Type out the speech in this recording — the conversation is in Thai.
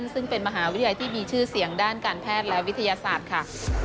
ซึ่งเป็นมหาวิทยาลัยที่มีชื่อเสียงด้านการแพทย์และวิทยาศาสตร์ค่ะ